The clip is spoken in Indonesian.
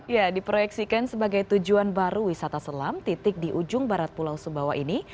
ya diproyeksikan sebagai tujuan baru wisata selam titik di ujung barat pulau sumbawa ini